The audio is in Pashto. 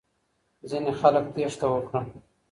ځینې خلک تیښته وکړه.